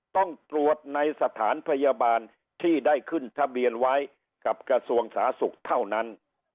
ต้องตรวจในสถานพยาบาลที่ได้ขึ้นทะเบียนไว้กับกระทรวงสาธารณสุขเท่านั้น